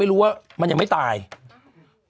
มีนกเฟ็นกวิ้นให้ดูด้วย